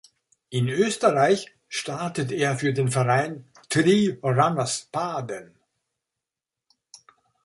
In Österreich startet er für den Verein "Tri Runners Baden".